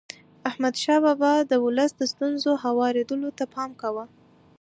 احمدشاه بابا د ولس د ستونزو هوارولو ته پام کاوه.